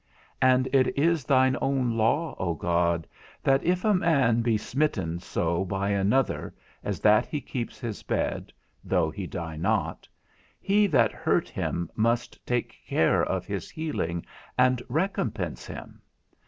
And it is thine own law, O God, that _if a man be smitten so by another, as that he keep his bed, though he die not, he that hurt him must take care of his healing, and recompense him_.